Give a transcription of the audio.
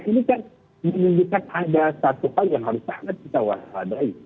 ini menunjukkan ada satu hal yang harus kita waspadai